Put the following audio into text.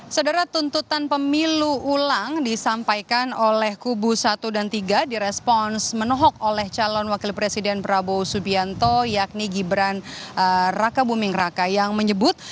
sedera tuntutan pemilu ulang disampaikan oleh kubu satu dan tiga direspons menohok oleh calon wakil presiden prabowo subianto yakni gibran raka buming raka yang menyebut